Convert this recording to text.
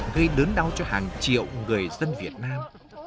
gây đớn đau cho hàng triệu người dân việt nam